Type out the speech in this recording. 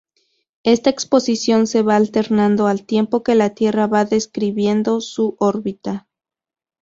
Esta exposición se va alternando al tiempo que la Tierra va describiendo su órbita.